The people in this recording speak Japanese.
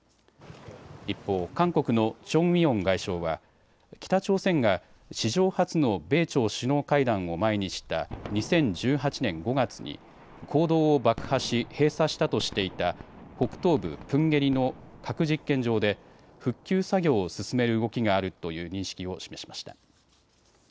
一方、韓国のチョン・ウィヨン外相は北朝鮮が史上初の米朝首脳会談を前にした２０１８年５月に坑道を爆破し閉鎖したとしていた北東部プンゲリの核実験場で復旧作業を進める動きがあるという認識を示しました。